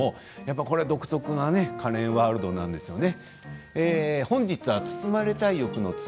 独特なカレンワールドなんですよね。